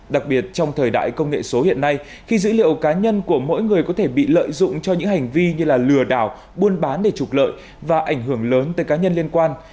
đặc biệt trong thời đại công nghệ số hiện nay khi dữ liệu cá nhân của mỗi người có thể bị lợi dụng cho những hành vi như lừa đảo buôn bán để trục lợi và ảnh hưởng lớn tới cá nhân liên quan